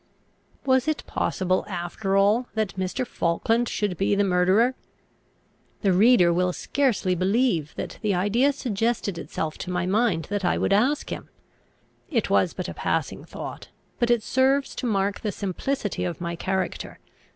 Was it possible, after all, that Mr. Falkland should be the murderer? The reader will scarcely believe, that the idea suggested itself to my mind that I would ask him. It was but a passing thought; but it serves to mark the simplicity of my character.